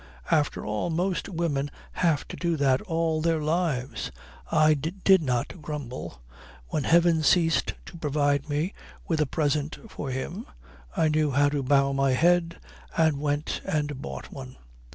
"After all, most women have to do that all their lives. I did not grumble. When heaven ceased to provide me with a present for him, I knew how to bow my head and went and bought one.